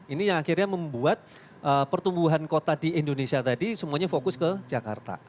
ini yang akhirnya membuat pertumbuhan kota di indonesia tadi semuanya fokus ke jakarta